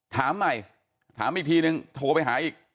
ถามใหม่ถามอีกทีนึงโทรไปหาอีก